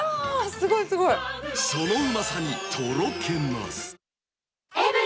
すごいすそのうまさに、とろけます。